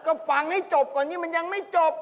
ก็ฟังให้จบก่อนนี้มันยังไม่จบ